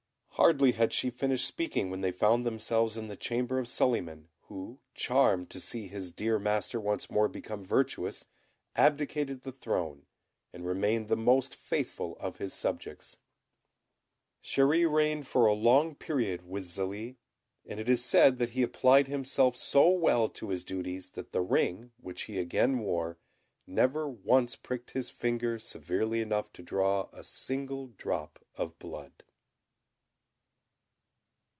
Hardly had she finished speaking when they found themselves in the chamber of Suliman, who, charmed to see his dear master once more become virtuous, abdicated the throne, and remained the most faithful of his subjects. Chéri reigned for a long period with Zélie; and it is said that he applied himself so well to his duties, that the ring, which he again wore, never once pricked his finger severely enough to draw a single drop of blood.